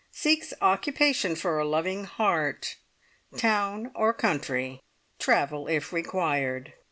Seeks occupation for a loving heart. Town or country. Travel if required."